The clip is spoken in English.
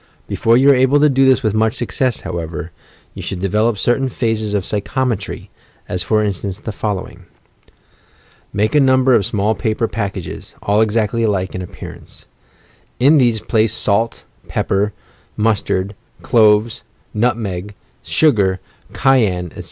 Before you are able to do this with much success, however, you should develop certain phases of psyehometry, — as for instance the following. Make a number of small paper packages, all exactly alike in appearance. In these place salt, pepper, mus tard, cloves, nutmeg, sugar, cayenne, etc.